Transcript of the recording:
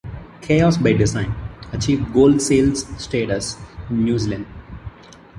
"Chaos by Design" achieved Gold sales status in New Zealand.